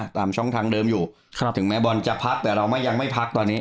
ตามช่องทางเดิมอยู่ถึงแม้บอลจะพักแต่เรายังไม่พักตอนนี้